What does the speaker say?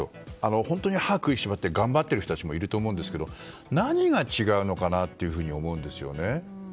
本当に歯を食いしばって頑張っている人たちもいると思うんですが何が違うのかなと思うんですね。